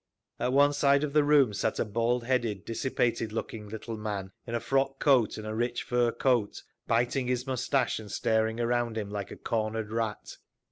At one side of the room sat a bald headed, dissipated looking little man in a frock coat and a rich fur coat, biting his moustache and staring around him like a cornered rat.